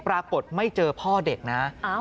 ปรากฏไม่เจอพ่อเด็กนะ